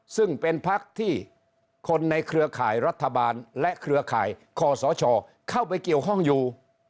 ซึ่งเป็นพักที่คนในเครือข่ายรัฐบาลและเครือข่ายคอสชเข้าไปเกี่ยวข้องอยู่